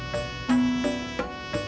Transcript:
tidak ada yang bisa diberikan